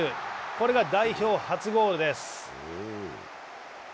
これが代表初ゴールです。